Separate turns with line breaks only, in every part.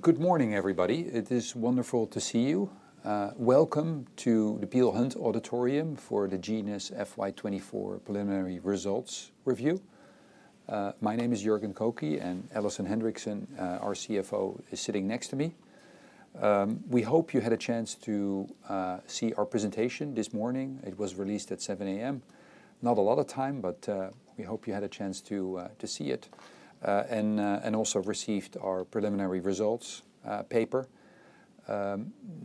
Good morning, everybody. It is wonderful to see you. Welcome to the Peel Hunt Auditorium for the Genus FY 2024 preliminary results review. My name is Jorgen Kokke, and Alison Henriksen, our CFO, is sitting next to me. We hope you had a chance to see our presentation this morning. It was released at 7:00 A.M. Not a lot of time, but we hope you had a chance to see it, and also received our preliminary results paper.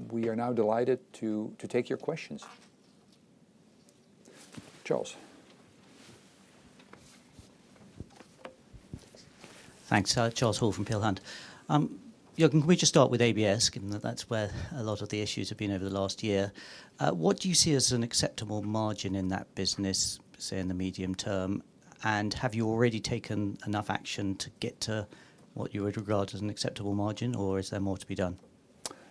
We are now delighted to take your questions. Charles?
Thanks. Charles Hall from Peel Hunt. Jorgen, can we just start with ABS, given that that's where a lot of the issues have been over the last year? What do you see as an acceptable margin in that business, say, in the medium term? And have you already taken enough action to get to what you would regard as an acceptable margin, or is there more to be done?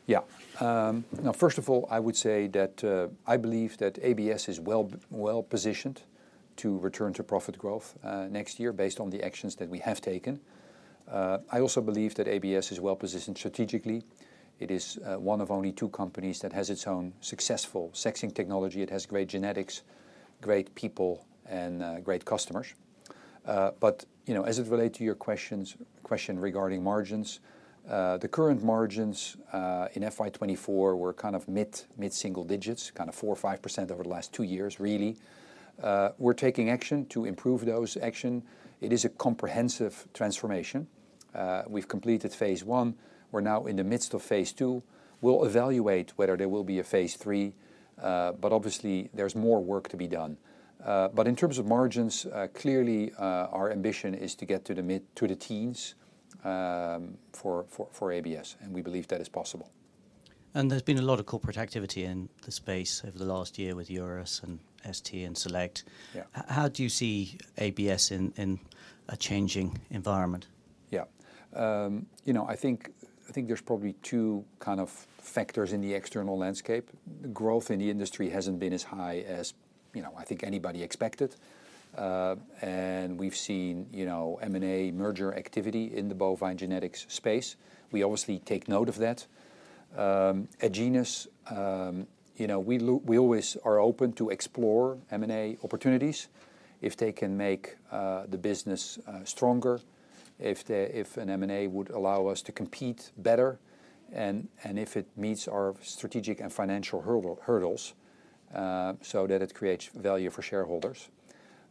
Yeah. Now, first of all, I would say that I believe that ABS is well-positioned to return to profit growth next year, based on the actions that we have taken. I also believe that ABS is well positioned strategically. It is one of only two companies that has its own successful sexing technology. It has great genetics, great people, and great customers. But, you know, as it relate to your questions regarding margins, the current margins in FY 2024 were kind of mid-single digits, kind of 4% or 5% over the last two years, really. We're taking action to improve those action. It is a comprehensive transformation. We've completed phase one. We're now in the midst of phase 2. We'll evaluate whether there will be a phase 3, but obviously there's more work to be done. But in terms of margins, clearly, our ambition is to get to the mid... to the teens, for ABS, and we believe that is possible.
There's been a lot of corporate activity in the space over the last year with URUS and ST and Select.
Yeah.
How do you see ABS in a changing environment?
Yeah. You know, I think there's probably two kind of factors in the external landscape. Growth in the industry hasn't been as high as, you know, I think anybody expected. And we've seen, you know, M&A merger activity in the bovine genetics space. We obviously take note of that. At Genus, you know, we always are open to explore M&A opportunities if they can make the business stronger, if an M&A would allow us to compete better, and if it meets our strategic and financial hurdles, so that it creates value for shareholders.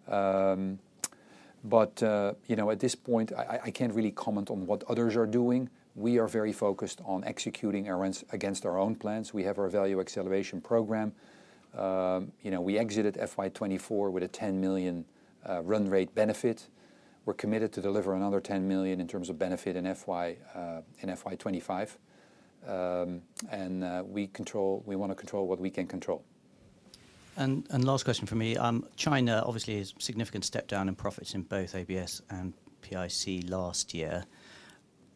But you know, at this point, I can't really comment on what others are doing. We are very focused on executing our own against our own plans. We have our value acceleration program. You know, we exited FY 2024 with a 10 million run rate benefit. We're committed to deliver another 10 million in terms of benefit in FY 2025. And we control, we want to control what we can control.
Last question from me. China obviously is significant step down in profits in both ABS and PIC last year.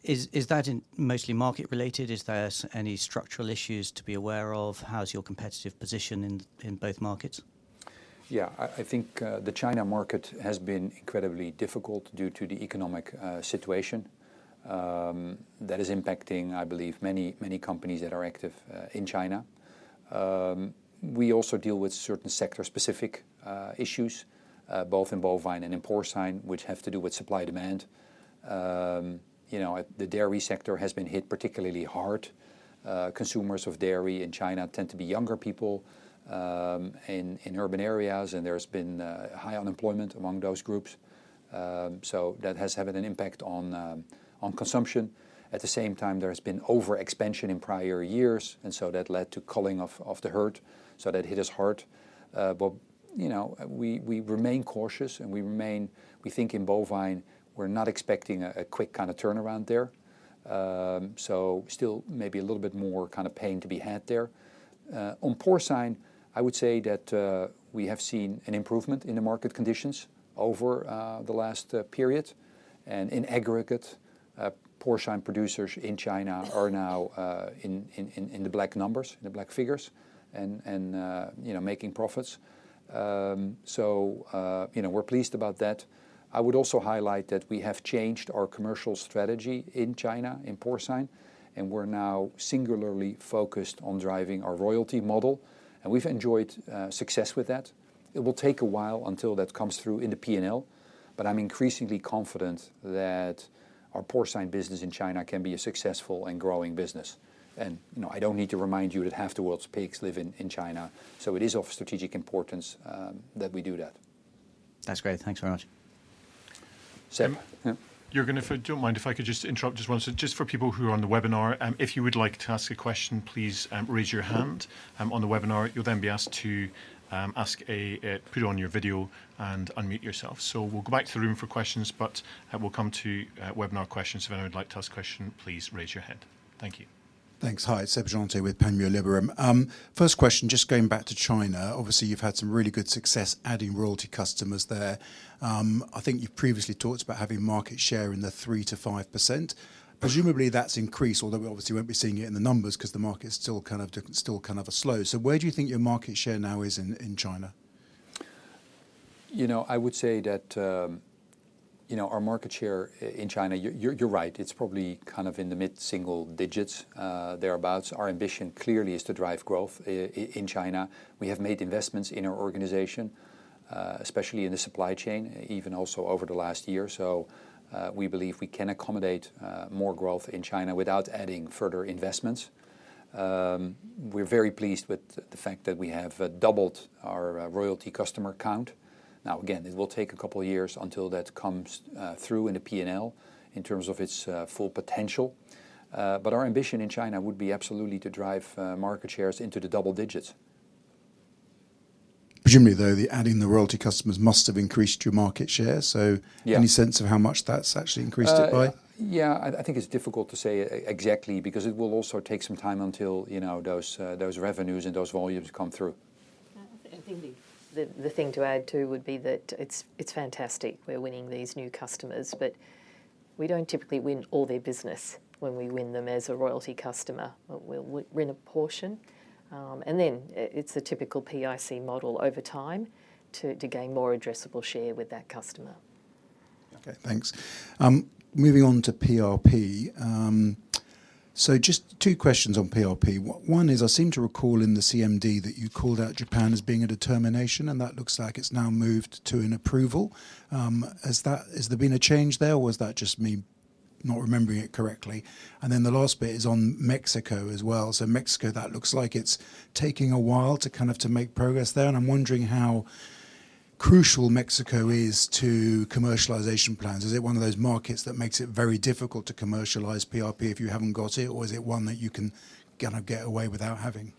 Is that mostly market related? Is there any structural issues to be aware of? How's your competitive position in both markets?
Yeah, I think the China market has been incredibly difficult due to the economic situation. That is impacting, I believe, many, many companies that are active in China. We also deal with certain sector-specific issues both in bovine and in porcine, which have to do with supply/demand. You know, the dairy sector has been hit particularly hard. Consumers of dairy in China tend to be younger people in urban areas, and there's been high unemployment among those groups. So that has having an impact on on consumption. At the same time, there has been overexpansion in prior years, and so that led to culling of the herd, so that hit us hard. But you know, we remain cautious and we remain... We think in bovine, we're not expecting a quick kind of turnaround there, so still maybe a little bit more kind of pain to be had there. On porcine, I would say that we have seen an improvement in the market conditions over the last period, and in aggregate, porcine producers in China are now in the black numbers, in the black figures, and you know, making profits. You know, we're pleased about that. I would also highlight that we have changed our commercial strategy in China, in porcine, and we're now singularly focused on driving our royalty model, and we've enjoyed success with that. It will take a while until that comes through in the P&L, but I'm increasingly confident that our porcine business in China can be a successful and growing business, and you know, I don't need to remind you that half the world's pigs live in China, so it is of strategic importance that we do that.
That's great. Thanks very much.
Seb? Yeah.
Jorgen, if you don't mind, if I could just interrupt just once. Just for people who are on the webinar, if you would like to ask a question, please, raise your hand on the webinar. You'll then be asked to put on your video and unmute yourself. So we'll go back to the room for questions, but we'll come to webinar questions. If anyone would like to ask a question, please raise your hand. Thank you.
Thanks. Hi, it's Seb Jantet with Panmure Liberum. First question, just going back to China. Obviously, you've had some really good success adding royalty customers there. I think you've previously talked about having market share in the 3%-5%. Presumably, that's increased, although we obviously won't be seeing it in the numbers because the market is still kind of different, still kind of a slow. So where do you think your market share now is in China?...
You know, I would say that, you know, our market share in China, you're, you're right, it's probably kind of in the mid-single digits, thereabouts. Our ambition clearly is to drive growth in China. We have made investments in our organization, especially in the supply chain, even also over the last year. So, we believe we can accommodate more growth in China without adding further investments. We're very pleased with the fact that we have doubled our royalty customer count. Now, again, it will take a couple of years until that comes through in the P&L in terms of its full potential. But our ambition in China would be absolutely to drive market shares into the double digits.
Presumably, though, adding the royalty customers must have increased your market share, so-
Yeah...
any sense of how much that's actually increased it by?
Yeah, I think it's difficult to say exactly because it will also take some time until, you know, those revenues and those volumes come through.
I think the thing to add, too, would be that it's fantastic we're winning these new customers, but we don't typically win all their business when we win them as a royalty customer. We'll win a portion, and then it's the typical PIC model over time to gain more addressable share with that customer.
Okay, thanks. Moving on to PRP. So just two questions on PRP. One is, I seem to recall in the CMD that you called out Japan as being a determination, and that looks like it's now moved to an approval. Has there been a change there, or was that just me not remembering it correctly? And then the last bit is on Mexico as well. So Mexico, that looks like it's taking a while to kind of make progress there, and I'm wondering how crucial Mexico is to commercialization plans. Is it one of those markets that makes it very difficult to commercialize PRP if you haven't got it, or is it one that you can kind of get away without having?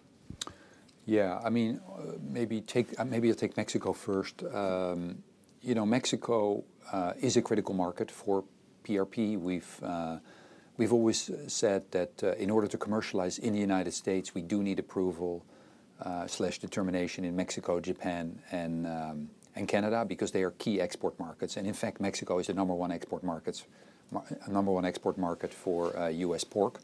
Yeah, I mean, maybe take, maybe I'll take Mexico first. You know, Mexico is a critical market for PRP. We've, we've always said that, in order to commercialize in the United States, we do need approval slash determination in Mexico, Japan, and Canada, because they are key export markets. And in fact, Mexico is the number one export markets, number one export market for U.S. pork.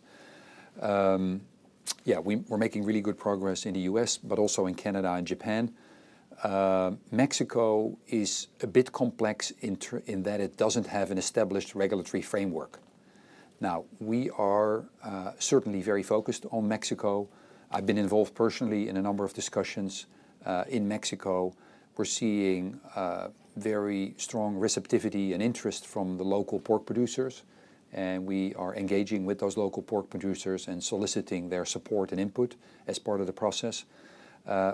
Yeah, we're making really good progress in the U.S., but also in Canada and Japan. Mexico is a bit complex in that it doesn't have an established regulatory framework. Now, we are certainly very focused on Mexico. I've been involved personally in a number of discussions in Mexico. We're seeing very strong receptivity and interest from the local pork producers, and we are engaging with those local pork producers and soliciting their support and input as part of the process.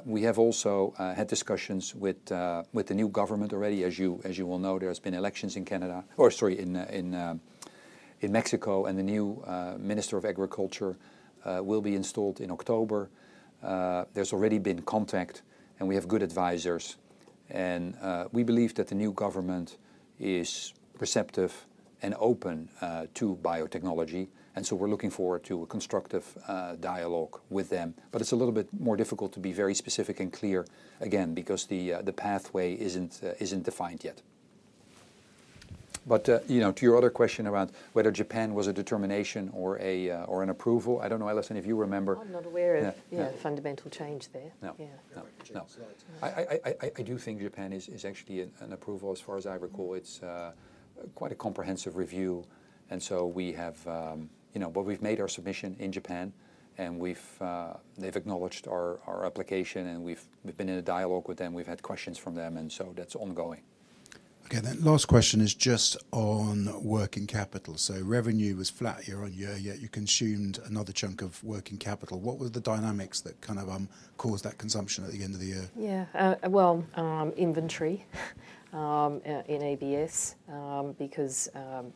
We have also had discussions with the new government already. As you will know, there has been elections in Canada, or sorry, in Mexico, and the new Minister of Agriculture will be installed in October. There's already been contact, and we have good advisors, and we believe that the new government is receptive and open to biotechnology, and so we're looking forward to a constructive dialogue with them, but it's a little bit more difficult to be very specific and clear, again, because the pathway isn't defined yet. But, you know, to your other question around whether Japan was a determination or a, or an approval, I don't know, Alison, if you remember-
I'm not aware of-
Yeah...
yeah, fundamental change there.
No.
Yeah.
No. No.
Yeah.
I do think Japan is actually an approval, as far as I recall .It's quite a comprehensive review, and so we have. You know, but we've made our submission in Japan, and we've, they've acknowledged our application, and we've been in a dialogue with them. We've had questions from them, and so that's ongoing.
Okay, then last question is just on working capital. So revenue was flat year on year, yet you consumed another chunk of working capital. What were the dynamics that kind of caused that consumption at the end of the year?
Yeah. Well, inventory in ABS because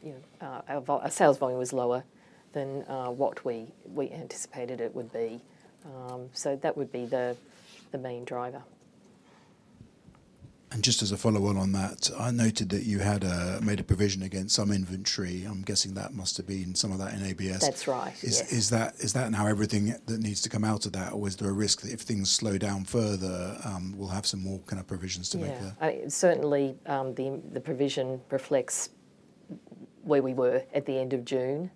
you know our sales volume was lower than what we anticipated it would be. So that would be the main driver.
And just as a follow-on on that, I noted that you had made a provision against some inventory. I'm guessing that must have been some of that in ABS.
That's right, yes.
Is that now everything that needs to come out of that, or is there a risk that if things slow down further, we'll have some more kind of provisions to make there?
Yeah. Certainly, the provision reflects where we were at the end of June.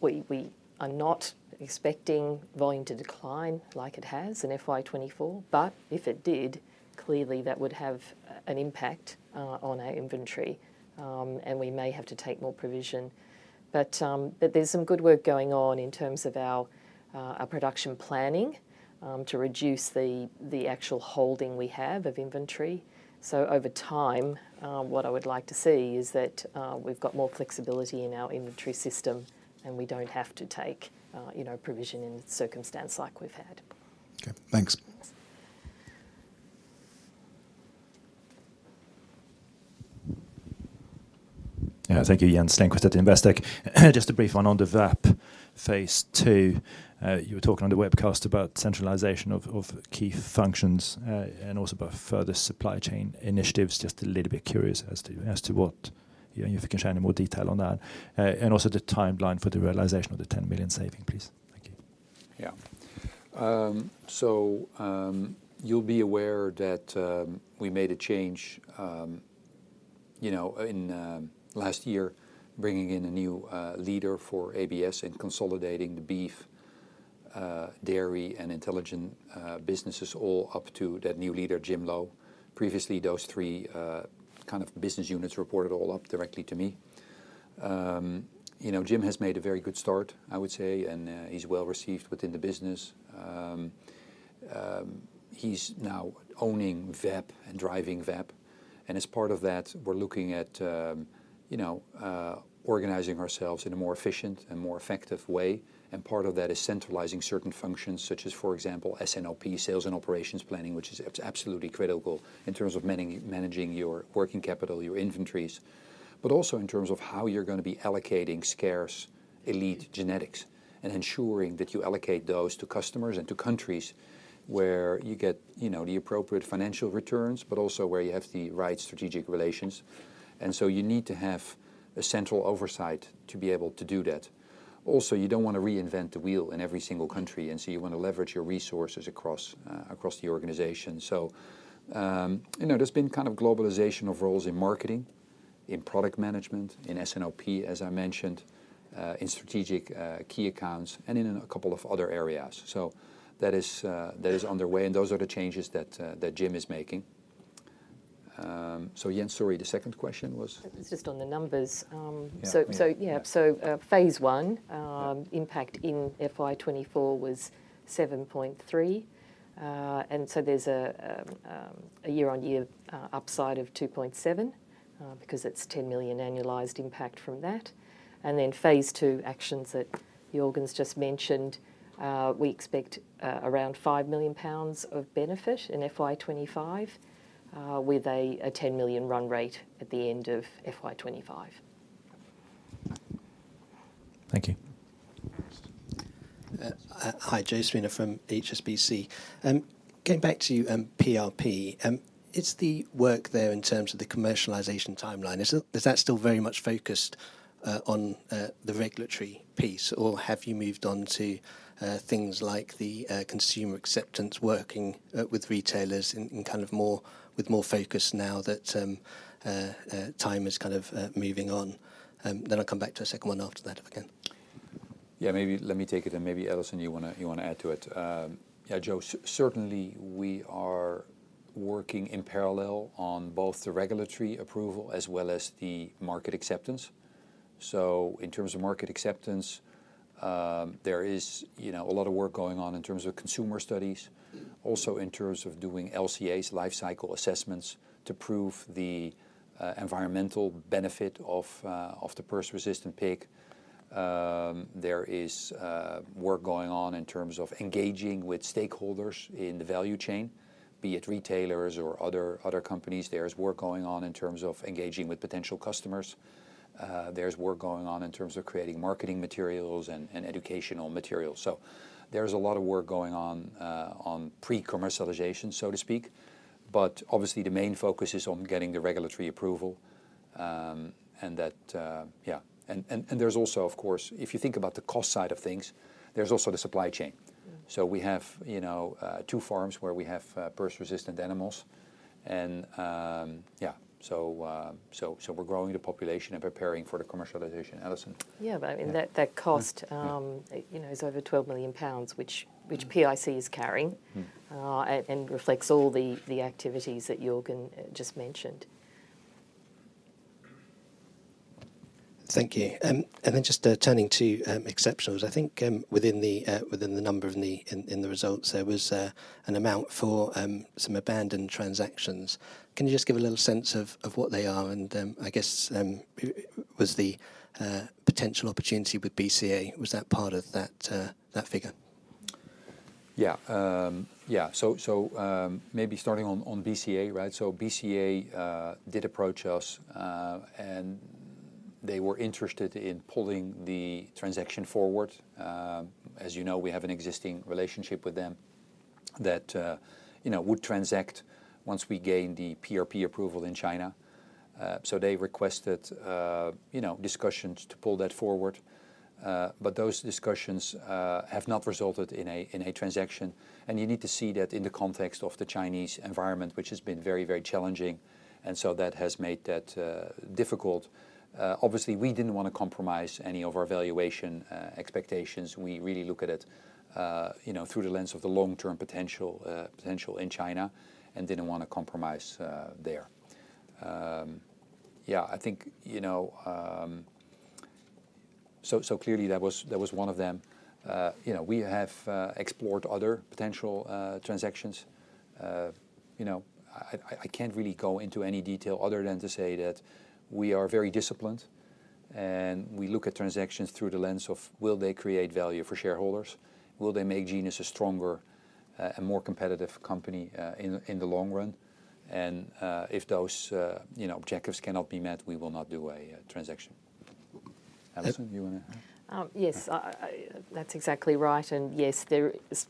We are not expecting volume to decline like it has in FY 2024, but if it did, clearly that would have an impact on our inventory, and we may have to take more provision. But there's some good work going on in terms of our production planning to reduce the actual holding we have of inventory. So over time, what I would like to see is that we've got more flexibility in our inventory system, and we don't have to take, you know, provision in a circumstance like we've had.
Okay, thanks.
Thanks.
Yeah, thank you. Jens Lindqvist at Investec. Just a brief one on the VAP phase 2. You were talking on the webcast about centralization of key functions, and also about further supply chain initiatives. Just a little bit curious as to what, you know, if you can share any more detail on that? And also the timeline for the realization of the 10 million saving, please. Thank you.
Yeah. So, you'll be aware that we made a change, you know, in last year, bringing in a new leader for ABS and consolidating the beef, dairy, and IntelliGen businesses all up to that new leader, Jim Lowe. Previously, those three kind of business units reported all up directly to me. You know, Jim has made a very good start, I would say, and he's well-received within the business. He's now owning VAP and driving VAP, and as part of that, we're looking at, you know, organizing ourselves in a more efficient and more effective way, and part of that is centralizing certain functions, such as, for example, S&OP, sales and operations planning, which is it's absolutely critical in terms of managing your working capital, your inventories. But also in terms of how you're gonna be allocating scarce, elite genetics, and ensuring that you allocate those to customers and to countries where you get, you know, the appropriate financial returns, but also where you have the right strategic relations. And so you need to have a central oversight to be able to do that. Also, you don't wanna reinvent the wheel in every single country, and so you wanna leverage your resources across the organization. So, you know, there's been kind of globalization of roles in marketing, in product management, in S&OP, as I mentioned, in strategic key accounts, and in a couple of other areas. So that is underway, and those are the changes that Jim is making. So yeah, sorry, the second question was?
It's just on the numbers.
Yeah.
So, yeah, phase 1 impact in FY 2024 was 7.3 million. And so there's a year-on-year upside of GBP million 2.7, because it's 10 million annualized impact from that. And then phase 2 actions that Jorgen's just mentioned, we expect around 5 million pounds of benefit in FY 2025, with a 10 million run rate at the end of FY 2025.
Thank you.
Hi, Joe Serena from HSBC. Getting back to you, PRP, is the work there in terms of the commercialization timeline, is that still very much focused on the regulatory piece, or have you moved on to things like the consumer acceptance, working with retailers in kind of more, with more focus now that time is kind of moving on? And then I'll come back to a second one after that, if I can.
Yeah, maybe let me take it, and maybe, Alison, you wanna add to it. Yeah, Joe, certainly, we are working in parallel on both the regulatory approval as well as the market acceptance. In terms of market acceptance, there is, you know, a lot of work going on in terms of consumer studies. Also, in terms of doing LCAs, life cycle assessments, to prove the environmental benefit of the PRRS-resistant pig. There is work going on in terms of engaging with stakeholders in the value chain, be it retailers or other companies. There's work going on in terms of engaging with potential customers. There's work going on in terms of creating marketing materials and educational materials. So there's a lot of work going on on pre-commercialization, so to speak. But obviously, the main focus is on getting the regulatory approval, and that. And there's also, of course, if you think about the cost side of things, there's also the supply chain. So we have, you know, two farms where we have PRRS-resistant animals, and yeah. So, so we're growing the population and preparing for the commercialization. Alison?
Yeah, but I mean that cost, you know, over 12 million pounds, which PIC is carrying and reflects all the activities that Jorgen just mentioned.
Thank you. And then just turning to exceptionals, I think, within the numbers in the results, there was an amount for some abandoned transactions. Can you just give a little sense of what they are? And I guess, was the potential opportunity with BCA, was that part of that figure?
Yeah, yeah. Maybe starting on BCA, right? So BCA did approach us, and they were interested in pulling the transaction forward. As you know, we have an existing relationship with them that, you know, would transact once we gain the PRP approval in China. So they requested, you know, discussions to pull that forward, but those discussions have not resulted in a transaction. And you need to see that in the context of the Chinese environment, which has been very, very challenging, and so that has made that difficult. Obviously, we didn't wanna compromise any of our valuation expectations. We really look at it, you know, through the lens of the long-term potential in China, and didn't wanna compromise there. Yeah, I think, you know... So clearly, that was one of them. You know, we have explored other potential transactions. You know, I can't really go into any detail other than to say that we are very disciplined, and we look at transactions through the lens of: Will they create value for shareholders? Will they make Genus a stronger and more competitive company in the long run? And if those you know objectives cannot be met, we will not do a transaction. Alison, do you wanna add?
Yes, that's exactly right, and yes,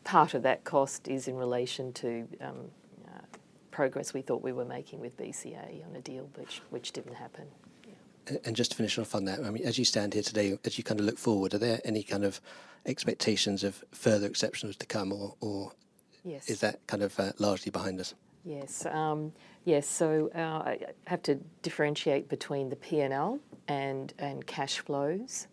part of that cost is in relation to progress we thought we were making with BCA on a deal which didn't happen.
And just to finish off on that, I mean, as you stand here today, as you kind of look forward, are there any kind of expectations of further exceptions to come, or is that kind of largely behind us?
Yes, yes. I have to differentiate between the P&L and cash flows,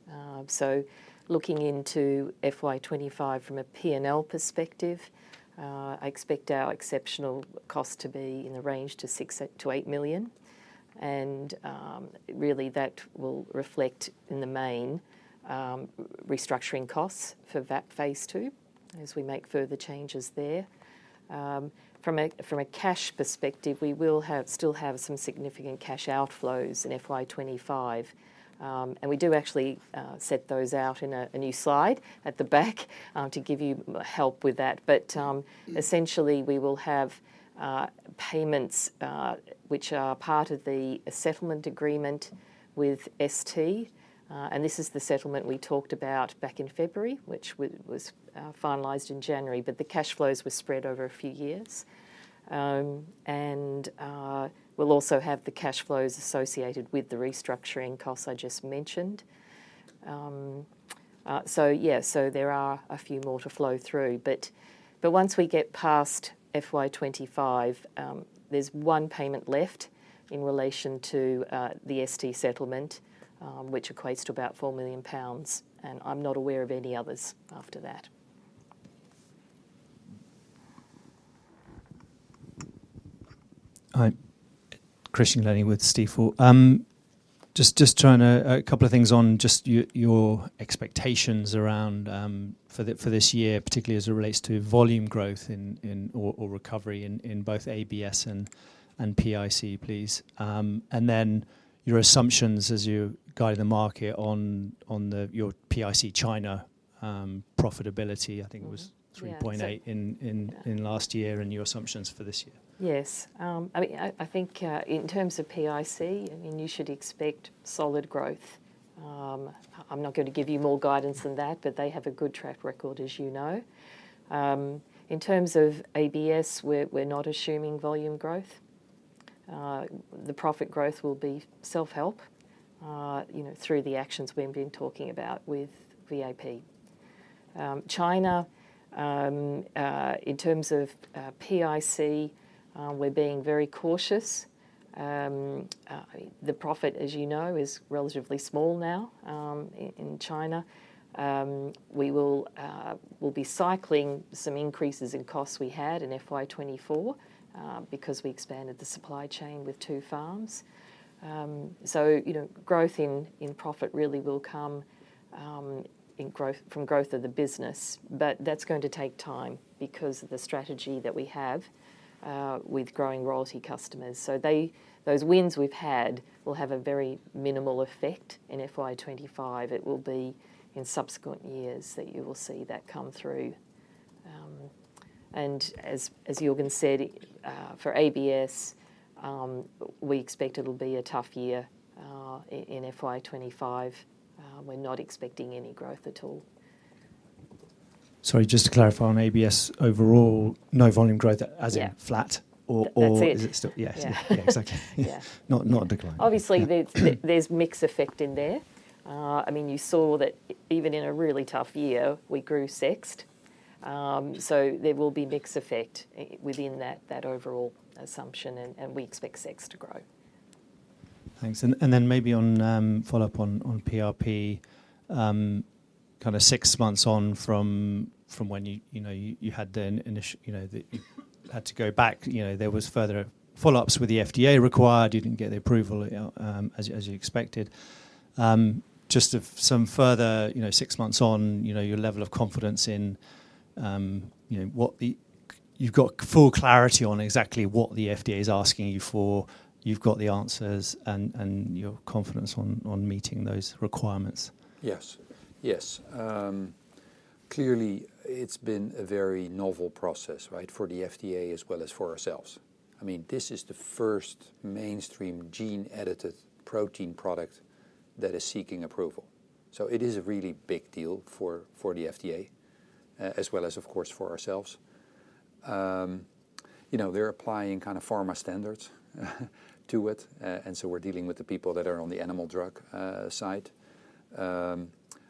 so looking into FY 2025 from a P&L perspective, I expect our exceptional cost to be in the range of 6 million-8 million. Really, that will reflect, in the main, restructuring costs for VAP phase 2, as we make further changes there. From a cash perspective, we will still have some significant cash outflows in FY 2025, and we do actually set those out in a new slide at the back to give you help with that. Essentially, we will have payments which are part of the settlement agreement with ST. And this is the settlement we talked about back in February, which was finalized in January, but the cash flows were spread over a few years. And we'll also have the cash flows associated with the restructuring costs I just mentioned. So yeah, so there are a few more to flow through. But once we get past FY 2025, there's one payment left in relation to the ST settlement, which equates to about 4 million pounds, and I'm not aware of any others after that.
Hi, Christian Glennie with Stifel. A couple of things on just your expectations around for this year, particularly as it relates to volume growth in or recovery in both ABS and PIC, please. And then your assumptions as you guide the market on your PIC China profitability. I think it was three point eight in last year and your assumptions for this year.
Yes. I think in terms of PIC, I mean, you should expect solid growth. I'm not going to give you more guidance than that, but they have a good track record, as you know. In terms of ABS, we're not assuming volume growth. The profit growth will be self-help, you know, through the actions we've been talking about with VAP. China, in terms of PIC, we're being very cautious. The profit, as you know, is relatively small now in China. We'll be cycling some increases in costs we had in FY 2024, because we expanded the supply chain with two farms. So, you know, growth in profit really will come from growth of the business. But that's going to take time because of the strategy that we have with growing royalty customers. So they, those wins we've had will have a very minimal effect in FY 2025. It will be in subsequent years that you will see that come through. And as Jorgen said, for ABS, we expect it'll be a tough year in FY 2025. We're not expecting any growth at all.
Sorry, just to clarify on ABS, overall, no volume growth as in flat.
That's it.
Yeah. Yeah, exactly.
Yeah.
Not, not declining.
Obviously, there's mix effect in there. I mean, you saw that even in a really tough year, we grew sexed. So there will be mix effect within that overall assumption, and we expect sexed to grow.
Thanks. And then maybe on follow-up on PRP. Kind of six months on from when you know you had to go back. You know, there was further follow-ups with the FDA required. You didn't get the approval as you expected. Just some further you know six months on you know your level of confidence in you know what the. You've got full clarity on exactly what the FDA is asking you for, you've got the answers, and your confidence on meeting those requirements.
Yes, yes. Clearly, it's been a very novel process, right, for the FDA as well as for ourselves. I mean, this is the first mainstream gene-edited protein product that is seeking approval. So it is a really big deal for the FDA, as well as, of course, for ourselves. You know, they're applying kind of pharma standards to it. And so we're dealing with the people that are on the animal drug side.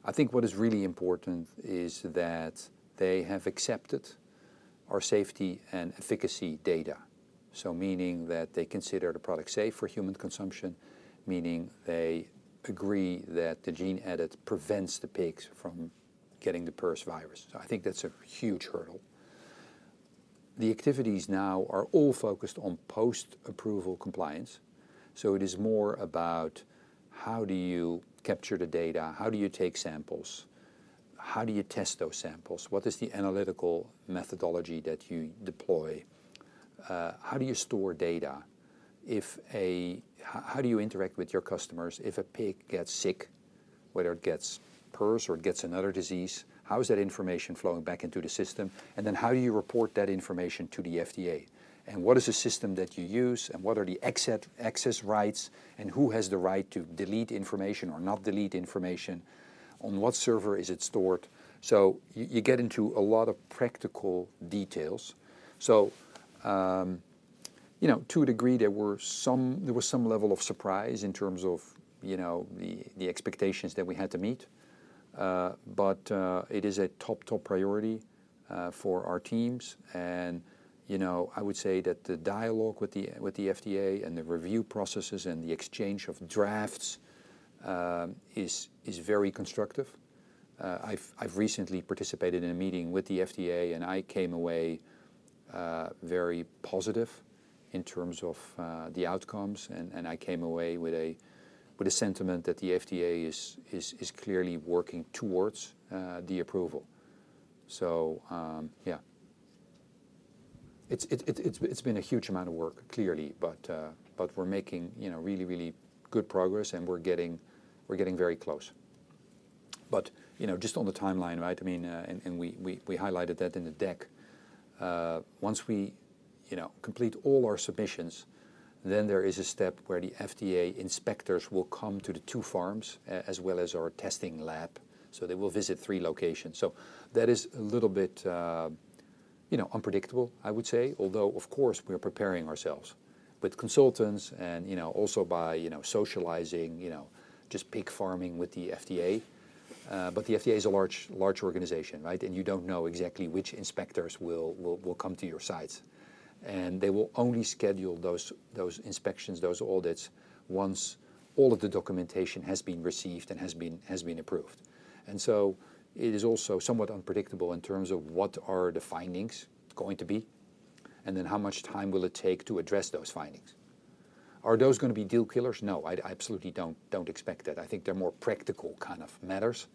I think what is really important is that they have accepted our safety and efficacy data. So meaning that they consider the product safe for human consumption, meaning they agree that the gene edit prevents the pigs from getting the PRRS virus. I think that's a huge hurdle. The activities now are all focused on post-approval compliance, so it is more about how do you capture the data? How do you take samples? How do you test those samples? What is the analytical methodology that you deploy? How do you store data? If a pig gets sick, whether it gets PRRS or it gets another disease, how is that information flowing back into the system? And then, how do you report that information to the FDA? And what is the system that you use, and what are the access rights, and who has the right to delete information or not delete information? On what server is it stored? So you get into a lot of practical details. So, you know, to a degree, there was some level of surprise in terms of, you know, the expectations that we had to meet. But it is a top, top priority for our teams. And, you know, I would say that the dialogue with the FDA, and the review processes, and the exchange of drafts, is very constructive. I've recently participated in a meeting with the FDA, and I came away very positive in terms of the outcomes. And I came away with a sentiment that the FDA is clearly working towards the approval. So, yeah. It's been a huge amount of work, clearly, but we're making, you know, really, really good progress, and we're getting very close. But, you know, just on the timeline, right? I mean, and we highlighted that in the deck. Once we, you know, complete all our submissions, then there is a step where the FDA inspectors will come to the two farms, as well as our testing lab, so they will visit three locations. So that is a little bit, you know, unpredictable, I would say, although, of course, we are preparing ourselves with consultants, and, you know, also by, you know, socializing, you know, just pig farming with the FDA. But the FDA is a large, large organization, right? And you don't know exactly which inspectors will come to your sites. And they will only schedule those inspections, those audits, once all of the documentation has been received and has been approved. And so it is also somewhat unpredictable in terms of what are the findings going to be, and then how much time will it take to address those findings. Are those gonna be deal killers? No, I absolutely don't expect that. I think they're more practical kind of matters.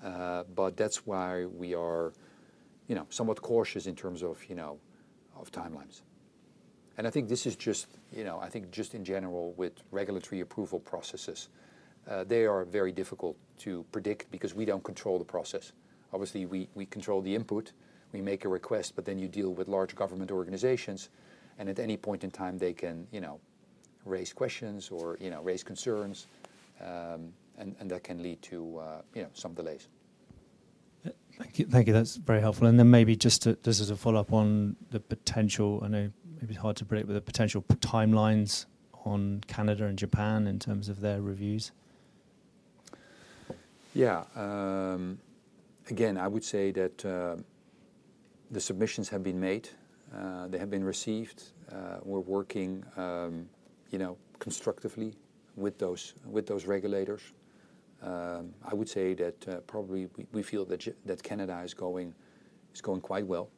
But that's why we are, you know, somewhat cautious in terms of, you know, of timelines. And I think this is just, you know, I think just in general with regulatory approval processes, they are very difficult to predict because we don't control the process. Obviously, we control the input. We make a request, but then you deal with large government organizations, and at any point in time, they can, you know, raise questions or, you know, raise concerns. And that can lead to, you know, some delays.
Thank you. Thank you. That's very helpful. And then maybe just to... just as a follow-up on the potential, I know it may be hard to predict, but the potential timelines on Canada and Japan in terms of their reviews.
Yeah. Again, I would say that the submissions have been made. They have been received. We're working, you know, constructively with those regulators. I would say that probably we feel that Canada is going quite well,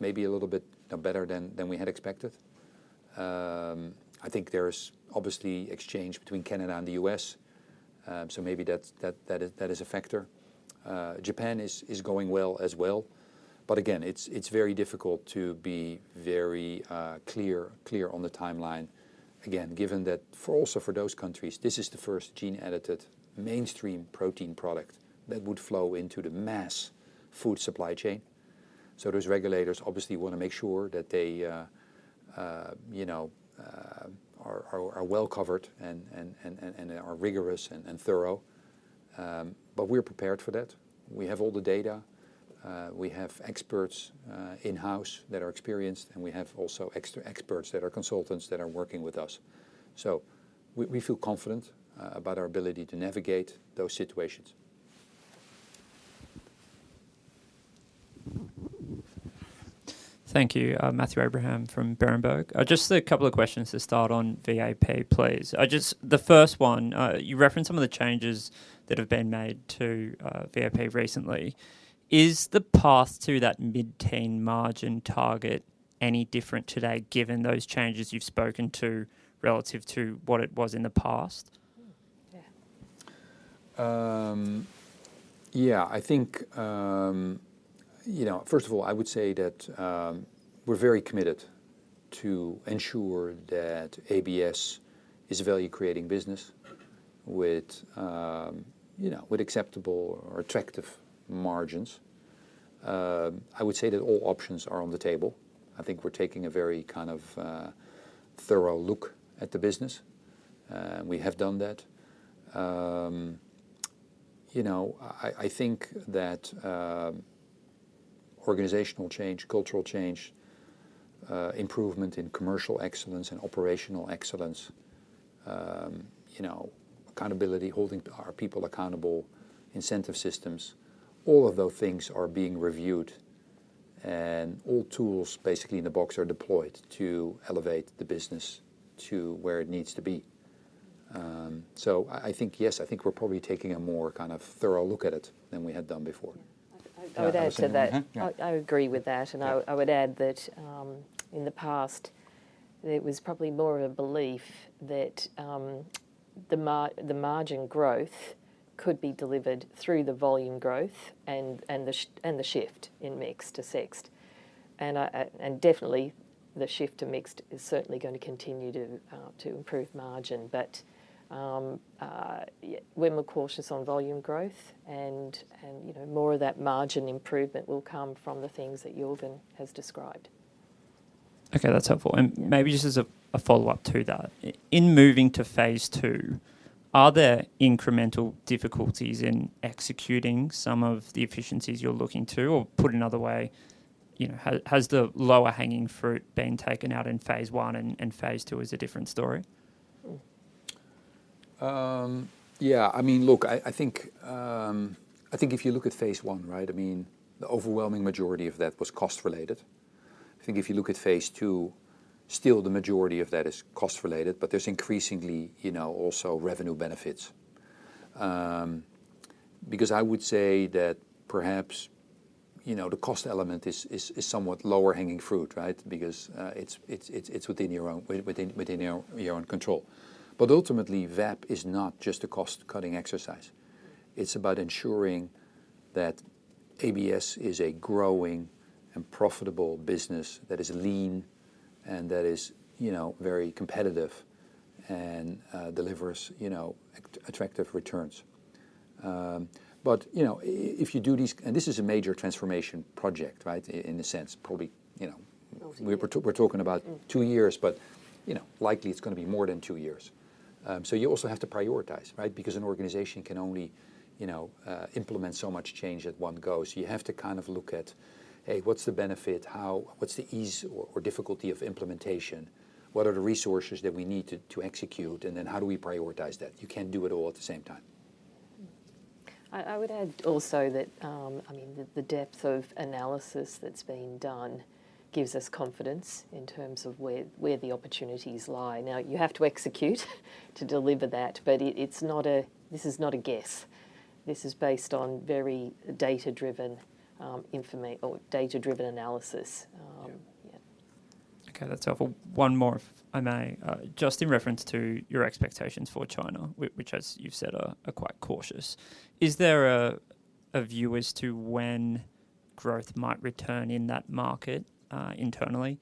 maybe a little bit, you know, better than we had expected. I think there's obviously exchange between Canada and the U.S., so maybe that's a factor. Japan is going well as well, but again, it's very difficult to be very clear on the timeline. Again, given that for also for those countries, this is the first gene-edited mainstream protein product that would flow into the mass food supply chain. So those regulators obviously want to make sure that they, you know, are well covered and are rigorous and thorough. But we're prepared for that. We have all the data. We have experts in-house that are experienced, and we have also experts that are consultants, that are working with us. So we feel confident about our ability to navigate those situations.
Thank you. Matthew Abraham from Berenberg. Just a couple of questions to start on VAP, please. Just the first one, you referenced some of the changes that have been made to VAP recently. Is the path to that mid-teen margin target any different today, given those changes you've spoken to relative to what it was in the past?
Yeah.
Yeah, I think, you know, first of all, I would say that we're very committed to ensure that ABS is a value-creating business with, you know, with acceptable or attractive margins. I would say that all options are on the table. I think we're taking a very kind of thorough look at the business, and we have done that. You know, I think that organizational change, cultural change, improvement in commercial excellence and operational excellence, you know, accountability, holding our people accountable, incentive systems, all of those things are being reviewed, and all tools basically in the box are deployed to elevate the business to where it needs to be. So, yes, I think we're probably taking a more kind of thorough look at it than we had done before.
Yeah, I would add to that.
Uh, yeah.
I agree with that.
Yeah.
I would add that, in the past, it was probably more of a belief that the margin growth could be delivered through the volume growth and the shift in mix to Sexcel. I definitely, the shift to Sexcel is certainly going to continue to improve margin. But, yeah, we're more cautious on volume growth, and, you know, more of that margin improvement will come from the things that Jorgen has described....
Okay, that's helpful. And maybe just as a follow-up to that, in moving to phase two, are there incremental difficulties in executing some of the efficiencies you're looking to? Or put another way, you know, has the lower-hanging fruit been taken out in phase one, and phase two is a different story?
Yeah, I mean, look, I think if you look at phase one, right, I mean, the overwhelming majority of that was cost-related. I think if you look at phase two, still the majority of that is cost-related, but there's increasingly, you know, also revenue benefits. Because I would say that perhaps, you know, the cost element is somewhat lower-hanging fruit, right? Because it's within your own control. But ultimately, VAP is not just a cost-cutting exercise. It's about ensuring that ABS is a growing and profitable business that is lean and that is, you know, very competitive and delivers, you know, attractive returns. But, you know, if you do these, and this is a major transformation project, right? In a sense, probably, you know, we're talking about two years, but, you know, likely it's gonna be more than two years. So you also have to prioritize, right? Because an organization can only, you know, implement so much change at one go. So you have to kind of look at, hey, what's the benefit? How... What's the ease or difficulty of implementation? What are the resources that we need to execute, and then how do we prioritize that? You can't do it all at the same time.
I would add also that, I mean, the depth of analysis that's been done gives us confidence in terms of where the opportunities lie. Now, you have to execute to deliver that, but it's not a... This is not a guess. This is based on very data-driven analysis.
Yeah.
Yeah.
Okay, that's helpful. One more, if I may. Just in reference to your expectations for China, which, as you've said, are quite cautious. Is there a view as to when growth might return in that market, internally?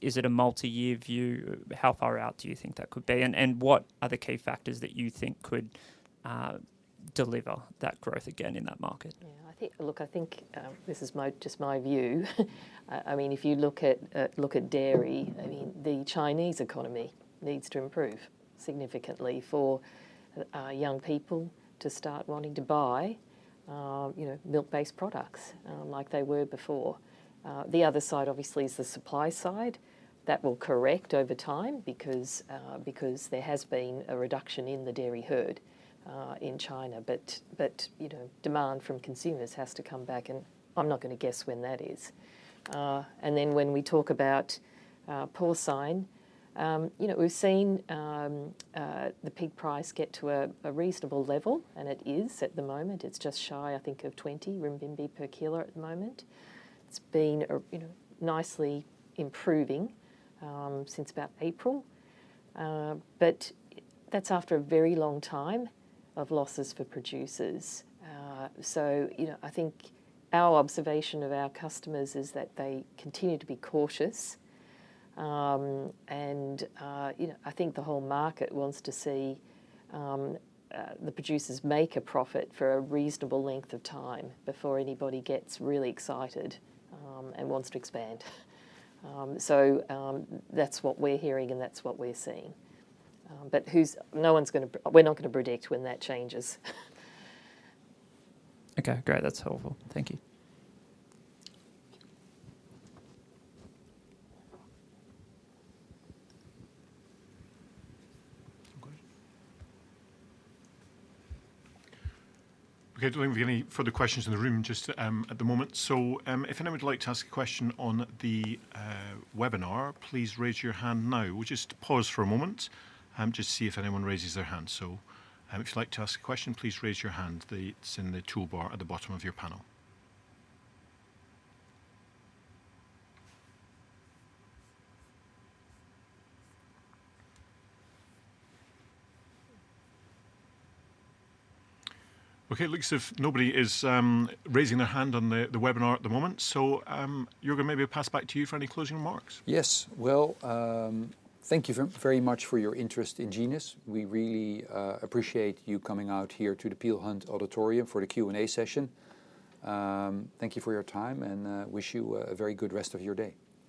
Is it a multi-year view? How far out do you think that could be? And what are the key factors that you think could deliver that growth again in that market?
Yeah, I think. Look, I think this is just my view. I mean, if you look at, look at dairy, I mean, the Chinese economy needs to improve significantly for young people to start wanting to buy, you know, milk-based products, like they were before. The other side, obviously, is the supply side. That will correct over time because there has been a reduction in the dairy herd in China, but you know, demand from consumers has to come back, and I'm not gonna guess when that is, and then when we talk about porcine, you know, we've seen the pig price get to a reasonable level, and it is at the moment. It's just shy, I think, of 20 renminbi per kilo at the moment. It's been, you know, nicely improving since about April, but that's after a very long time of losses for producers, so you know, I think our observation of our customers is that they continue to be cautious, and you know, I think the whole market wants to see the producers make a profit for a reasonable length of time before anybody gets really excited and wants to expand, so that's what we're hearing, and that's what we're seeing, but no one's gonna predict when that changes.
Okay, great. That's helpful. Thank you.
Okay. I don't think we have any further questions in the room just at the moment. So, if anyone would like to ask a question on the webinar, please raise your hand now. We'll just pause for a moment, just to see if anyone raises their hand. So, if you'd like to ask a question, please raise your hand. It's in the toolbar at the bottom of your panel. Okay, it looks as if nobody is raising their hand on the webinar at the moment. So, Jorgen, maybe I'll pass back to you for any closing remarks.
Yes. Well, thank you very much for your interest in Genus. We really appreciate you coming out here to the Peel Hunt Auditorium for the Q&A session. Thank you for your time, and wish you a very good rest of your day.